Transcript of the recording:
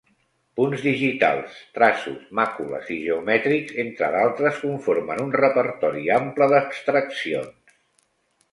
Punts digitals, traços, màcules i geomètrics, entre d'altres, conformen un repertori ample d'abstraccions.